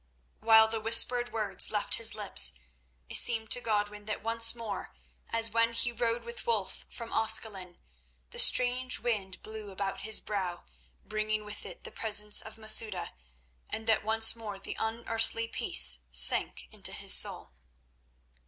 While the whispered words left his lips, it seemed to Godwin that once more, as when he rode with Wulf from Ascalon, the strange wind blew about his brow, bringing with it the presence of Masouda, and that once more the unearthly peace sank into his soul.